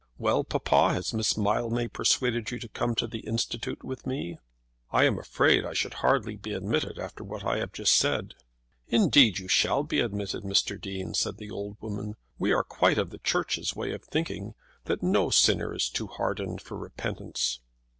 "Well, papa, has Miss Mildmay persuaded you to come to the Institute with me?" "I am afraid I should hardly be admitted, after what I have just said." "Indeed you shall be admitted, Mr. Dean," said the old woman. "We are quite of the Church's way of thinking, that no sinner is too hardened for repentance."